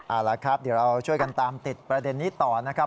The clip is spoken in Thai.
เอาละครับเดี๋ยวเราช่วยกันตามติดประเด็นนี้ต่อนะครับ